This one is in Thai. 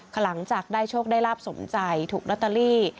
หลังจากได้โชคได้ลาบสมใจถูกลอตเตอรี่